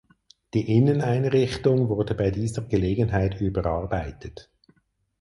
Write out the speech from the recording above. Die Inneneinrichtung wurde bei dieser Gelegenheit überarbeitet.